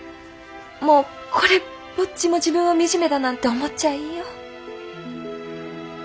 もうこれっぽっちも自分を惨めだなんて思っちゃいんよ。